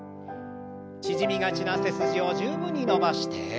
縮みがちな背筋を十分に伸ばして。